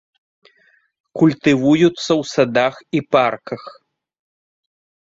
Культывуюцца ў садах і парках.